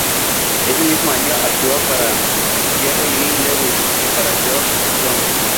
Ese mismo año, actúa para Jerry Lee Lewis y para George Jones.